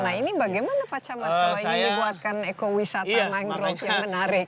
nah ini bagaimana pak camat kalau ingin dibuatkan ekowisata mangrove yang menarik